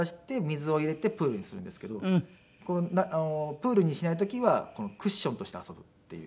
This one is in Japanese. プールにしない時はクッションとして遊ぶっていう。